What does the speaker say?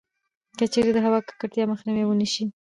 کـچـېرې د هوا کـکړتيا مخنيـوی يـې ونـه شـي٫